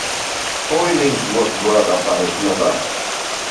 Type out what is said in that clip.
Poynings was brought up by his mother.